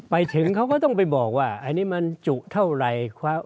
ไปถึงเขาก็ต้องไปบอกว่าอันนี้มันจุเท่าไหร่